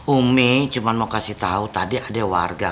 umi cuma mau kasih tau tadi ada warga